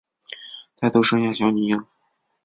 再度生下小女婴